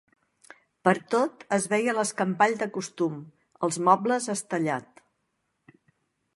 Pertot es veia l'escampall de costum, els mobles estellat